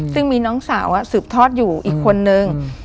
ซึ่งมีน้องสาวสืบทอดอยู่อีกคนนึง